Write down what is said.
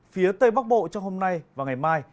phía tây bắc bộ trong hôm nay và ngày mai